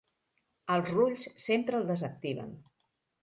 Els rulls sempre el desactiven.